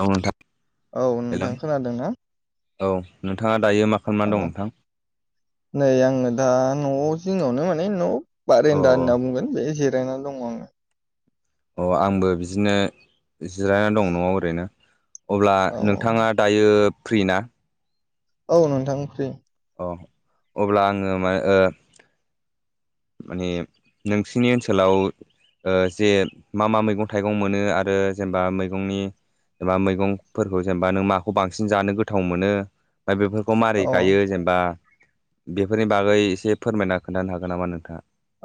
औ नोंथां। औ हेल! नोंथां खोनादोंना औ नोंथाङा दायो मा औ खालामनानै दं नोंथां? नै आङो दा न'आव जोंनावनो माने न' औ बारेन्दा होनना बुंगोन बे जिरायनानै दङ आङो। अ आंबो बिदिनो जिरायनानै दं न'आव ओरैनो। अब्ला औ नोंथाङा दायो फ्रि ना? औ नोंथां फ्रि अ अब्ला आङो मा ओ माने नोंसिनि ओनसोलाव ओ जे मा मा मैगं थाइगं मोनो आरो जेनेबा मैगंनि जेनेबा मैगंफोरखौ जेनेबा नों माखौ बांसिन जानो गोथाव मोनो ओमफ्राय बेफोरखौ अ माबारै गायो जेनेबा बेफोरनि बागै एसे फोरमायना खोन्थानो हागोन नामा नों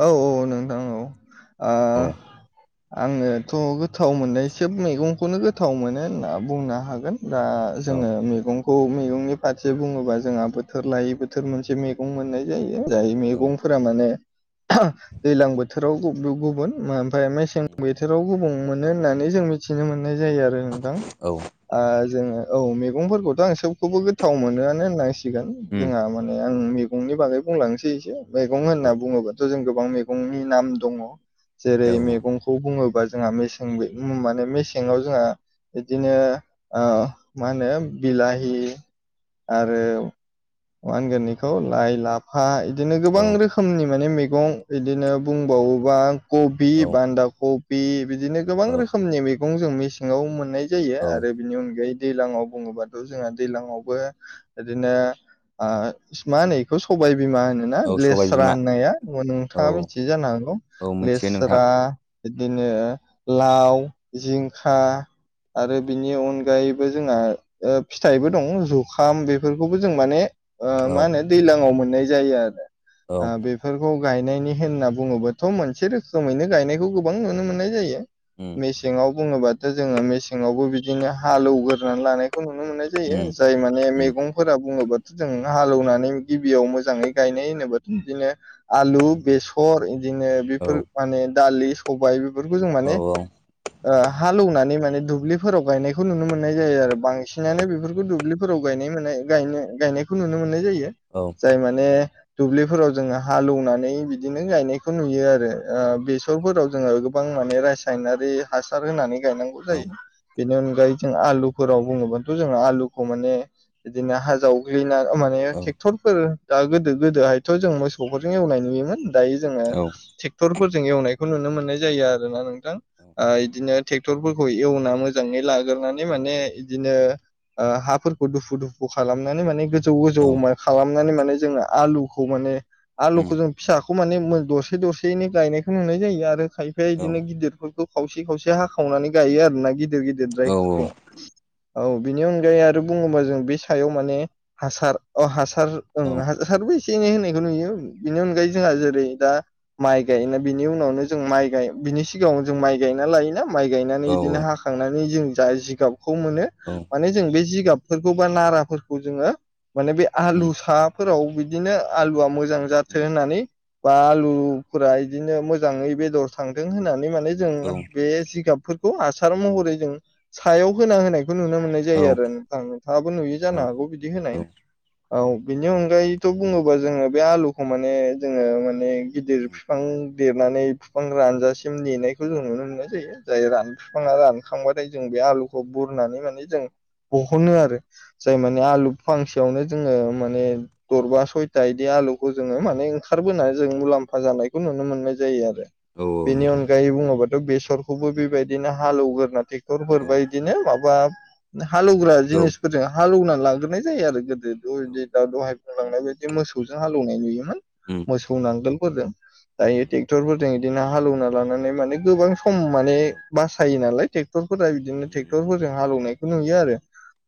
औ औ नोंथां औ ओ औ आङोथ' गोथाव मोननाय सोब मैगंखौनो गोथाव मोनो होनना बुंनो हागोन। दा औ जोङो मैगं खौ मैगंनि फारसे बुङोबा जोंहा बोथोर लायै बोथोर मोनसे मैगं मोननाय जायो। जाय औ मैगंफोरा माने दैलां बोथोराव गुबुन गुबुन ओमफ्राय मेसें बोथोराव गोबुं मोनो होननानै जों मिथिनो मोननाय जायो आरो नोंथां। औ ओ जोङो औ मैगंफोरखौथ' आं सोबबखौबो गोथाव मोननानै होननांसिगोन। उम जोंहा माने आं मैगंनि बागै बुंलांसै एसे। मैगं औ होनना बुङोबा जों गोबां मेगंनि नाम दं। औ जेरै मेगंखौ बुङो बा जोंहा मेसें माने मेसेङाव जोंहा बिदिनो ओ मा होनो बिलाहि आरो मा होनगोन एखौ लाइ लाफा बिदिनो गोबां औ रोखोमनि माने मैगं इदिनो बुंबावोबा कबि, बान्दा क बि बिदिनो गोबां औ रोखोमनि मैगं जों मेसेङाव मोननाय जायो औ आरो बिनि अनगायै दैलाङाव बुङोबाथ' जोंहा दैलाङावबो इदिनो आ मा होनो बेखौ सबाय बिमा होनोना औ सबाय लेस्रा बिमा होननाया औ नोंथाङा मिथियो जानो हागौ। औ मिथियो नोंथां लेस्रा बिदिनो लाव, जिंखा, आरो बिनि अन गायैबो जोंहा फिथाइबो दं जुखाम बेफोरखौबो जों माने ओ औ मा होनो दैजलाङाव मोननाय जायो आरो। औ ओ बे बेफोरखौ गायनायनि होनना बुङोब्लाथ' मोनसे रोखोमैनो गायनायखौ गोबां नुनो मोननाय जायो। उम मेसेङाव बुङोबाथ' जोङो मेसेङावबो बिदिनो हालौवगोरानै लानाय खौ नुनो मोननाय जायो उम जाय माने उम मैगंफोरा बुङोबा जों हालेवनानै गिबियाव मोजाङै गायनाय होनोबाथ' बिदिनो आलु बेसर बिदिनो औ बेफोर माने दालि सबाय बेफोरखौ जों माने औ ओ हालौनानै माने दुब्लिफोराव गायनायखौ नुनो मोननाय जायो आरो। औ बांसिनानो बेफोरखौ दुब्लि फोराव गायनाय नुनाय गायनायखौ नुनो मोननाय जायो। औ जाय माने दुब्लिफोराव जोङो हालौनानै बिदिनो गायनायखौ नुयो उम आरो ओ बेसरफोराव जोङो गोबां माने रासायनारि हासार होनानै गायनांगौ औ जायो। बेनि अनगायै जों आलुफोराव बुङोब्लथ' जों आलुखौ माने बिदिनो हाज जावग्लि माने औ ट्रेक्टर दा गोदो गोदोहायथ' जों उम मोसौफोरजों एवनाय नुयोमोन दायो जोङो औ ट्रेक्टरफोरजों एवनायखौ नुनो मोन्नाय जायो आरो ना नों औ बिदिनो ट्रेक्टरफोरखौ एवना मोजाङै लाग्रानै माने बिदिनो हाफोरखौ दुफु दुफु खालामनानै माने गो गोजौ गोजौ औ खालामनानै माने जोङो आलुखौ माने आलुखौ उम जों फिसाखौ खौ माने दरसे दरसेैनो गायनायखौ नुनाय जायो आरो खायफाया उम औ बिदिनो गिदिरफोरखौ खावसे खावसे हाखावनानै गायो आरो ना गिदिर गिदिर औ द्रायफोरखौ औ बिनि अनगायै आरो बुङोबा जों बे सायाव माने हासार औ हासा सार ओं [unintelligible] बो एसे एनै होनायखौ नुयो बिनि अनगायै जोंहा जेरै दा माइ गायोना बिनि उनावनो जों माइ बिनि सिगाङाव जों माइ गायना लायो। माइ गायनानै बिदिनो हाखांनानै जों जा जिगाबखौ मोनो उम माने जों बे गाबफोरखौ बा नाराफोरखौ जोङो माने बे आलु सा फोराव बिदिनो आलुआ मोजां जाथों होननानै बा आलुफोरा इदिनो मोजाङै बेदर थांथों होननानै माने जों बे जिगाबफोरखौ हासार महरै जों सायाव होना होनाय बेखौ नुनो मोननाय जायो आरो नोंथां नोंथाङाबो नुयो जानो उम हागौ बिदि औ होनाय। औ बिनि अनगायैथ' बुङोबा जोङो बे आलुखौ माने जोङो माने गिदिर बिफां देरनानै बिफां रानजासिम नेनायखौ जों नुनो मोननाय जायो जाय रान बिफाङा रानखांबाथाय जों बे आलुखौ बुरनानै माने जों बहनो आरो। जाय माने आलु फांसेयावनो जोङो माने दरबा सयथा बिदि आलु जोङो माने ओंखारबोनानै जों मुलाम्फा जानायखौ नुनो मोननाय जायो आरो। औ बेनि नोंथां अनगायै बुङोबाथ' बेसरखौबो बेबायदिनो हालौवग्रोना रफोर औ बायदिनो माबा हालेवग्रा औ उम औ जिनिसफोरजों हालेवना लाग्रोनाय जायो आरो दा दहाय बुंलांनाय बायदि मोसौजों हालौवनाय नुयोमोन उम उम मोसौ नांगोल [unintelligible] दायो औ औ ट्रेक्टरफोरजों बिदिनो हालेवना लानानै माने गोबां सम माने बासायो नालाय ट्रेक्टर बिदिनो ट्रेक्टर फोरजों हालौनायखौ नुयो आरो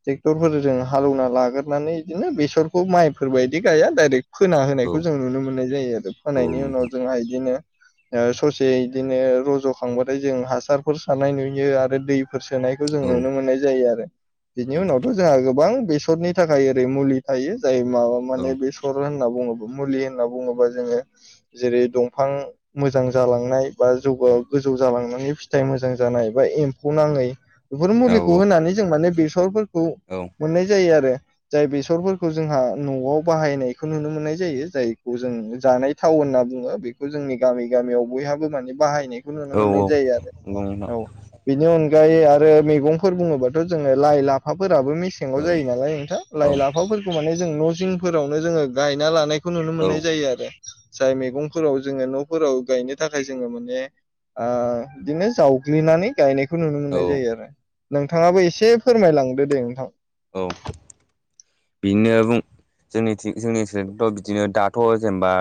ट्रेक्टरजों हालौनानै लाग्रानै बिदिनो बेसरखौ माइफोरबायदि गाया डाइरेक्ट फोना औ होनायखौ जों नुनो मोननाय जायो आरो फोनायनि नोंथां उनाव जोंहा बिदिनो ससे उम बिदिनो रज' खांबाथाय जों हासारफोर सारानाय नुयो आरो दै होसोनायखौ जों औ नुनो मोननाय जायो आरो बिनि उम उनावथ' जोंहा गोबां बेसरनि थाखाय ओरै मुलि थायो जाय माबा औ माने बेसर होनना बुङोब्ला मुलि होनना बुङोबा जोङो जेरै दंफां मोजां जालांनाय बा [unintelligible] उम गोजौ जालांनानै फिथाइ मोजां जानाय बा एम्फौ नाङै बेफोर औ मुलिखौ होनानै जों माने बेसरफोरखौ मोननाय जायो आरो। जाय बेसरफोरखौ जोंहा न'आव बाहायनाय बेखौ नुनो मोननाय जायो जायखौ जों जानाय थाव होनना बुङो बेखौ जोंनि गामि गामियाव बयहाबो माने बाहायनाय नुनो औ मोननाय जायो आरो नंगौ नोंथां औ बेनि अन गायै आरो मैगंफोर बुङोबाथ' जोङो लाइ लाफाफोर फोराबो मेसेंगाव औ जायो नालाय नोंथां लाइ औ लाफाफोरखौ माने जों न' जिंफोरावनो जोङो गायना लानाय नुनो औ मोननाय जायो आरो जाय मैगंफोराव जोङो न'फोराव गायनो थाखाय जोङो माने बिदिनो जावग्लिनानै गायनायखौ बेखौ नुनो औ मोननाय जायो आरो नोंथाङाबो एसे फोरमायलांदो दे नोंथां। औ बेनो बुं जोंनि जोंनि [unintelligible] ओनसोलाथ' बिदिनो दाथ' जेनेबा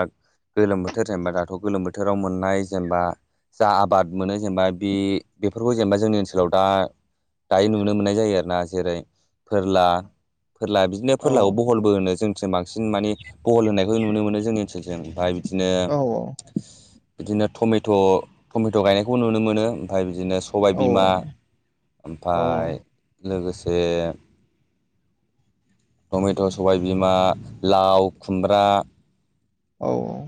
गोलोम बोथोर जेनेबा दाथ' गोलोम बोथोराव मोननाय जेनेबा जा आबाद मोनो जेनेबा बे बेफोरखौ जेनेबा जोंनि ओनसोलाव दा दायो नुनो मोननाय जायो आरो ना जेरै फोरला- फोरला बिदिनो औ फोरलाखौ बहलबो होनो जोंथि बांसिन माने बहल होनायखौ नुनो मोनो जोंनि ओनसोलजों ओमफ्राय बिदिनो औ औ बिदिनो टमेट' टमेट' गायनायखौ नुनो मोनो ओमफ्राय बिदिनो सबायबिमा ओमफाय लोगोसे टमेट' सबायबिमा लाव खुमब्रा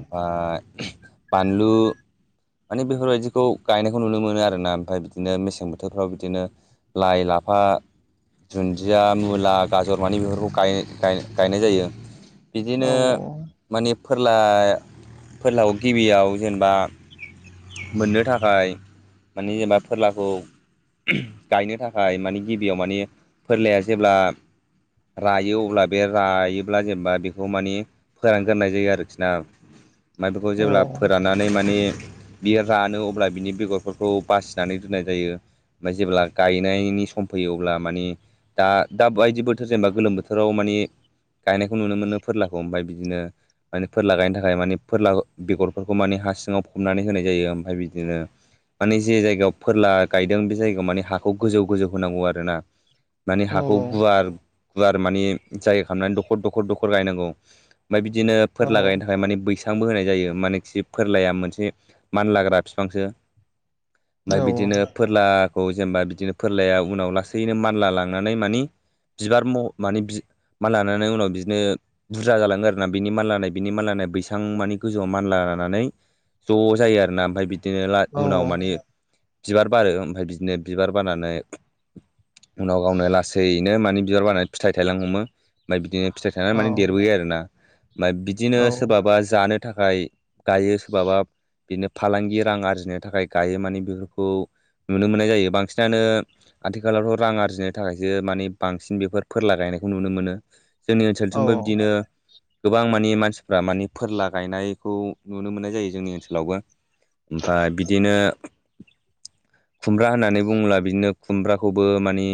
ओमफाय बानलु माने बेफोरबायदिखौ गायनायखौ नुनो मोनो आरोना ओमफ्राय बिदिनो मेसें बोथोरफ्राव बिदिनो लाइ लाफा बा दुन्दिया मुला गाजरमानि बेफोरखौ गाय गायनाय जायो। बिदिनो मानिे फोरला फोरलाव गिबियाव जेनेबा। मोननो थाखाय माने जेनेबा फोरलाखौ। गायनो थाखाय माने गिबियाव माने फोरलाया जेब्ला रायो अब्ला बे रायोब्ला जेनेबा बेखौ मानिे फोरानग्रोननाय जायो आरोखि ना ओमफाय बेखौ जेब्ला फोराननानै माने बियो रानो अब्ला बिनि बेगरफोरखौ बासिनानै दोननाय जायो ओमफाय जेब्ला गायनायनि सम फैयो जायो अब्ला माने दा दा बायदि बोथोर जेनेबा गोलोम बोथोराव माने गायनायखौ नुनो मोनो फोरलाखौ ओमफाय बिदिनो माने फोरला गायनो थाखाय माने फोरला बेगरफोरखौ माने हा सिङाव फबनानै होनाय जायो ओमफ्राय बिदिनो माने जे जायगायाव फोरला गायदों बे जायगायाव माने हाखौ गोजौ गोजौ होनांगौ आरोना। माने हाखौ गुवार गुवार माने जायगा खालामनानै दखर दखर दखर गायनांगौ। ओमफफाय बिदिनो फोरला गायनो थाखाय माने बैसांबो होनाय जायो मानखि फोरलाया मोनसे मानलाग्रा बिफांसो ओमफ्राय बिदिनो फोरला खौ जेनेबा बिदिनो फोरलाया उनाव लासैनो मानला लांनानै मानि बिबार म माने माल लानानै उनाव बिदिनो बुरजा जालाङो आरोना बिनि मानलाानाय बिनि मानलानाय बैसां मानि गोजौआव मानला नानै ज' जायो आरोना ओमफ्राय बिदिनो उनाव मानि बिबार बारो ओमफ्राय बिदिनो बिबार बारनानै उनाव गावनो लासैनो मानि बिबार बानानै फिथाइ थायलां हमो ओमफ्राय बिदिनो फिथाइ थायनानै माने देरबोयो आरोना। ओमफ्राय बिदिनो सोरबाबा जानो थाखाय गायो सोरबाबा बेनो फालांगि रां आरजिनो थाखाय गायो माने बेफोरखौ नुनो मोननाय जायो बांसिनानो आथिखालावथ' रां आरजिनो थाखायसो माने बांसिन बेफोर फोरला गायनो नायखौ नुनो मोनो। जोंनि ओनसोलथिमबो बिदिनो गोबां मानि मानसिफ्रा मानि फोरला गायनाय खौ नुनो मोननाय जायो जोंनि ओनसोलावबो ओमफाय बिदिनो खुमब्रा होननानै बुङोब्ला बिदिनो खुमब्राखौबो मानि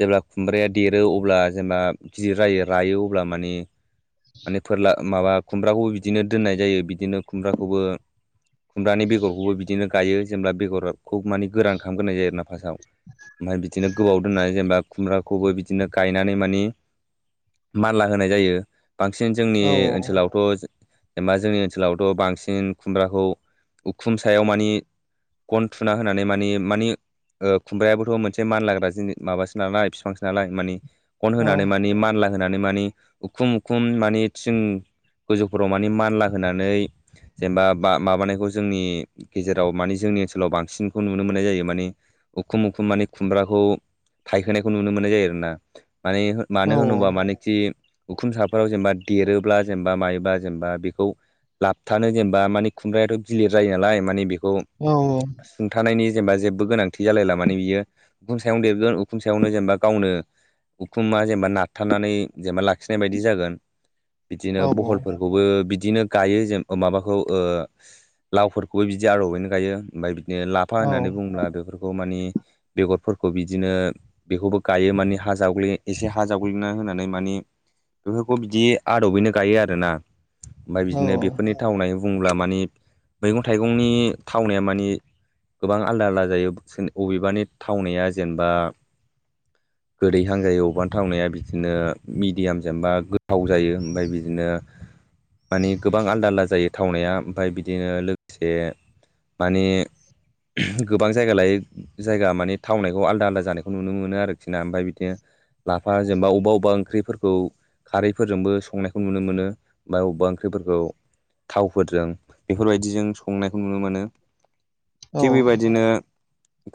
जेब्ला खुमब्राया देरो अब्ला जेनेबा गिदिर जायो रायो अब्ला माने माने फोरला माबा खुमब्राखौबो बिदिनो दोननाय जायो बिदिनो खुमब्राखौबो खुमब्रानि बेगरखौबो बिदिनो गायो जेनेब्ला बेगरखौ माने गोरान खालामग्रोनाय जायो आरोना फार्स्टआव ओमफाय बिदिनो गोबाव दोननानै जेनेबा खुमब्राखौबो बिदिनो गायनानै मानि मानला होनाय जायो। बांसिन जोंनि ओनसोलावथ' जेनबा जोंनि ओनसोलावथ' बांसिन खुमब्राखौ उखुम सायाव मानिे गन थुना होनानै मानि मानि ओ खुमब्रायाबोथ' मोनसे मानलाग्रा जि माबासो नालाय बिफांसो नालाय मानि गन होनानै माने मानला होनानै मानिे उखुम उखुम माने थिं गोजौफोराव माने मानला होनानै जेनेबा माबानायखौ जोंनि गेजेराव मानिे जोंनि ओनसोलाव बांसिनखौ नुनो मोननाय जायो मानि उखुम उखुम माने खुमब्राखौ थायखोनायखौ नुनो मोननाय जायो आरो ना। माने मानो होनोब्ला मानोखि उखुन साफोराव जेनेबा देरोब्ला जेनेबा मायोबा जेनेबा बेखौ लाबथानो। जेनेबा मानि खुमब्रायाथ' गिलिर जायो नालाय मानि बेखौ सुंथानायनि जेनेबा जेबो गोनांथि जालायला माने बियो उखुं सायावनो देरगोन उखुं सायावनो जेनेबा गावनो उखुमा जेनेबा नारथानानै जेनेबा लाखिनाय बायदि जागोन। बिदिनो बहलफोरखौबो बिदिनो गायो जों माबाखौ खौ लावफोरखौबो बिदि आरबैनो गायो ओमफ्राय बे लाफा होननानै बुंङोब्ला बेफोरखौ माने बेगरफोरखौ बिदिनो बेखौबो गायो माने हा जाव एसे हा जावग्लिना होनानै मानि बेफोरखौ बिदि आदबैनो गायो आरोना ओमफ्राय बिदिनो बेफोरनि होन होननानै बुङोब्ला मानि मैगं थाइगंनि थावनाया मानि गोबां आलदा आलदा जायो अबेबानि थावनाया जेनेबा गोदैहां जायो अबबानि थावनाया बिदिनो मिडियाम जेनबा गोथाव जायो ओमफ्राय बिदिनो मानि गोबां आलदा आलदा जायो थावनाया ओमफ्राय बिदिनो लोगोसे माने गोबां जायगा लायै जायगा माने थावनायखौ आलदा आलदा जानायखौ नुनो मोनो आरोखि ना ओमफ्राय बिदिनो लाफा जेनेबा अबेबा अबेबा ओंख्रिफोरखौ खारैफोरजोंबो संनायखौ नुनो मोनो बमा अबेबा ओंख्रिफोरखौ थावफोरजों बेफोरबायदिजों संनायखौ नुनो मोनो थिग बेबायदिनो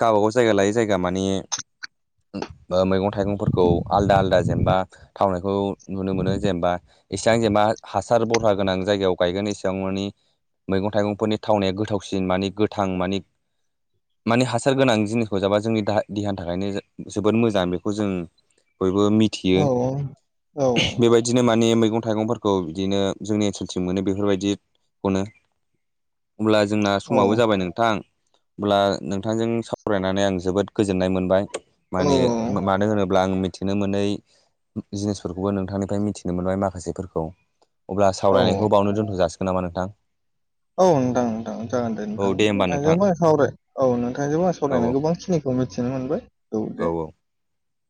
गावबा गाव जायगा लायै जायगा माने ओ मैगं-थाइगंफोरखौ आलदा आलदा जेनेबा थावनायखौ नुनो मोनो जेनेबा इसेबां जेनेबा हासार बरहा गोनां जायगायाव गायगोन ए सांमानि मैगं थाइगंफोरनि थावनाया गोथावसिन मानि गोथां मानि माने हासार गोनां जिनिसखौ जाबा जोंनि दा देहानि थाखायनो जोबोद मोजां बेखौ जों बयबो औ मिथियो औ बेबायदिनो माने मैगं-थाइगंफोरखौ बिदिनो जोंनि ओनसोलसिम मोनो बेफोरबायदि खनो हब्ला जोंना समाबो जाबाय नोंथां होनब्ला नोंथांजों सावरायनानै आं जोबोद गोजोननाय मोनबाय माने मानो होनो ब्ला आं मिथिनो मोनै जिनिसफोरखौबो नोंथांनिफ्राय मिथिनो मोनबाय माखासेफोरखौ अब्ला औ सावरायनायखौ बावनो दोनथ' जासिगोन नामा नोंथां। औ नोंथां नोंथां जागोन दे औ नोंथां होमबा नोंथां नोंथांजोबो आ सावराय औ नोंथांजोंबो आं औ सावरायनानै औ गोबां खिनिखौ मिथिनो मोनबाय औ दे [unintelligible]